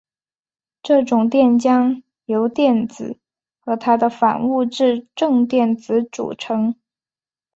这种电浆由电子和它的反物质正电子组成。